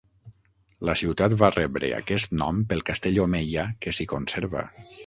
La ciutat va rebre aquest nom pel castell omeia que s'hi conserva.